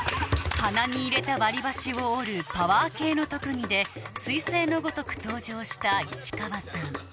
鼻に入れた割り箸を折るパワー系の特技ですい星のごとく登場した石川さん